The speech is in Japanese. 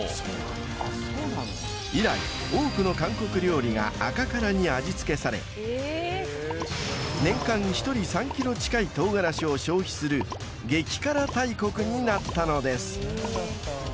［以来多くの韓国料理が赤辛に味付けされ］［年間一人３ｋｇ近い唐辛子を消費する激辛大国になったのです］